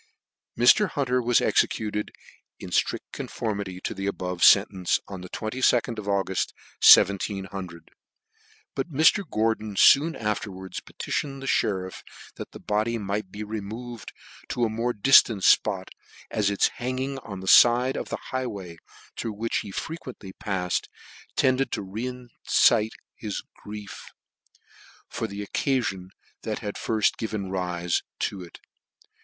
Mr. Hunter was executed, in ftrict conformity D the above fcntence, on the 2 id of Auguff, 1700. BijtMr. Gordon foon afterwa ds p tition cdthe mtriff, that the body might be removed to a more diitant fpot, as its hanging on the fide of the high way, through which he frequently pafled, tended to re excite his grief frr the occafion that had firft given rife to it.